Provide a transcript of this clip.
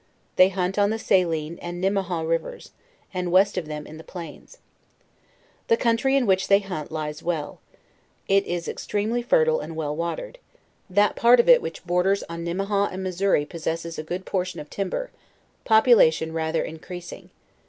They hunt on the Saline and Nimmehaw rivers, and west of them in the plains. The country in which they hunt lies well; it is extremely fertile and well watered; that part of it which borders on Nimmehaw and Missouri posses ses a good portion of timber; pupulation rather increasing.